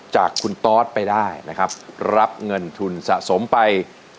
จากคุณตอสไปได้นะครับรับเงินทุนสะสมไป